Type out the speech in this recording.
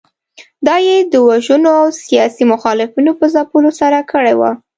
دا یې د وژنو او سیاسي مخالفینو په ځپلو سره کړې وه.